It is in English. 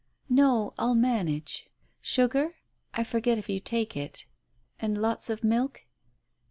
"No, I'll manage. Sugar? I forget if you take it? And lots of milk